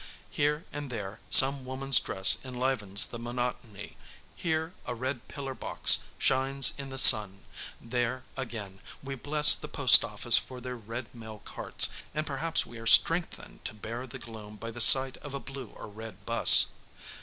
Here and there some woman's dress enlivens the monotony; here a red pillar box shines in the sun; there, again, we bless the Post Office for their red mail carts, and perhaps we are strengthened to bear the gloom by the sight of a blue or red bus.